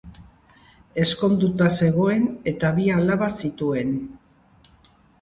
Ezkonduta zegoen eta bi alaba zituen.